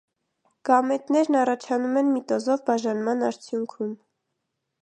Գամետներն առաջանում են միտոզով բաժանման արդյունքում։